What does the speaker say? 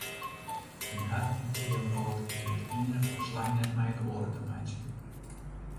Yn har ideeëwrâld hie it iene folslein net met it oare te meitsjen.